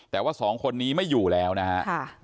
แต่ว่าสองคนนี้ไม่อยู่แล้วนะฮะ